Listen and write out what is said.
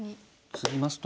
ツギますと。